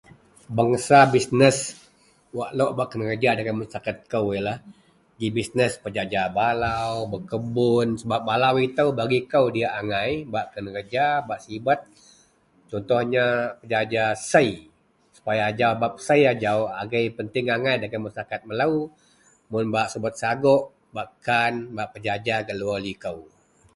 Bangsa bisnes wak lok bak kenereja dagen maseraketkou yenlah bisnes pejaja balau, bekebun sebab balau itou bagi kou diyak angai bak kenereja bak sibet contohnya pejaja sei. Sapai ajau sebap sei ajau agei penting angai dagen maseraket melou. Mun bak subet sagok bak kan bak pejaja gak luwer likou